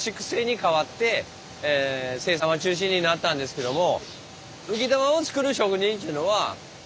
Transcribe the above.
それがになったんですけども。